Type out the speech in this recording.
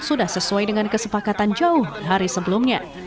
sudah sesuai dengan kesepakatan jauh hari sebelumnya